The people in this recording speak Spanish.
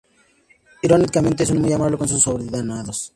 Irónicamente, es muy amable con sus subordinados.